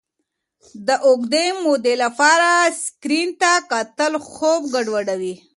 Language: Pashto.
د اوږدې مودې لپاره سکرین ته کتل خوب ګډوډوي.